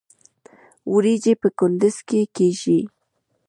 وریجې په کندز کې کیږي